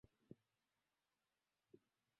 usika wengine wanaotakiwa na mahakama hiyo